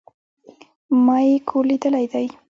ما ئې کور ليدلى دئ